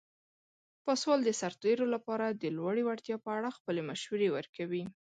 پاسوال د سرتیرو لپاره د لوړې وړتیا په اړه خپل مشورې ورکوي.